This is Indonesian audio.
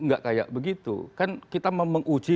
nggak kayak begitu kan kita mau menguji